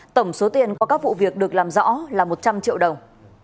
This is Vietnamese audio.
tổng số tiền qua các vụ việc được làm rõ là một trăm linh triệu đồng